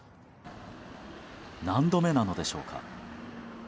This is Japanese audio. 何度目なのでしょうか。